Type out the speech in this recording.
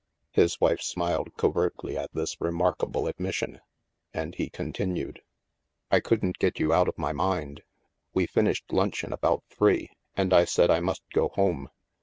His wife smiled covertly at this remarkable ad mission, and he continued :" I couldn't get you out of my mind. We fin ished luncheon about three, and I said I must go home.